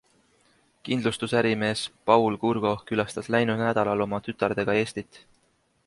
Kindlustusärimees Paul Kurgo külastas läinud nädalal oma tütardega Eestit.